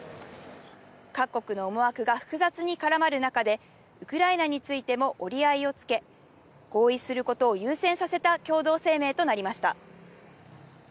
各国の思惑が複雑に絡まる中で、ウクライナについても折り合いをつけ、合意することを優先させた共同声明となりました。